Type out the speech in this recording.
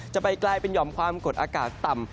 จะไปกลายเป็นหย่อมความกดอากาศต่ำ